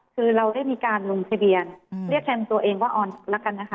คือเราได้มีการลงทะเบียนเรียกแทนตัวเองว่าออนแล้วกันนะคะ